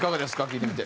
聞いてみて。